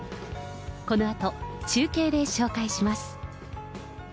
このあと中継で紹介します。